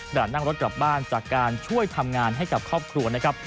ด่านนั่งรถกลับบ้านจากการช่วยทำงานให้กับครอบครัวนะครับ